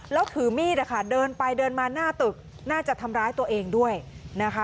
แล้วถือมีดนะคะเดินไปเดินมาหน้าตึกน่าจะทำร้ายตัวเองด้วยนะคะ